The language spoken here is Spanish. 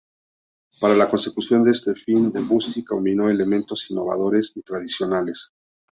Para la consecución de este fin Debussy combinó elementos innovadores y tradicionales.